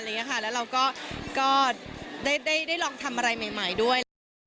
แล้วเราก็ได้ลองทำอะไรใหม่ด้วย